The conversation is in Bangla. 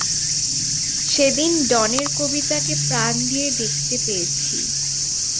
সেদিন ডনের কবিতাকে প্রাণ দিয়ে দেখতে পেয়েছি।